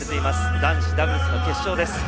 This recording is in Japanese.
男子ダブルスの決勝です。